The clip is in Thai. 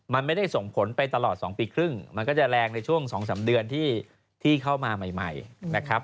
มันไม่ได้ส่งผลไปตลอด๒ปีครึ่งมันก็จะแรงในช่วง๒๓เดือนที่เข้ามาใหม่นะครับ